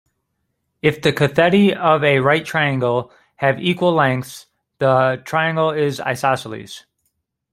If the catheti of a right triangle have equal lengths, the triangle is isosceles.